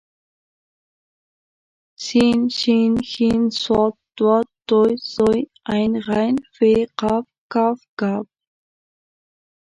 س ش ښ ص ض ط ظ ع غ ف ق ک ګ